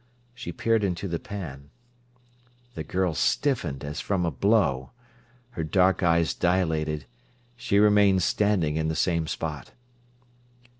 She peered into the pan. The girl stiffened as if from a blow. Her dark eyes dilated; she remained standing in the same spot.